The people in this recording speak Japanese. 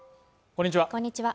こんにちは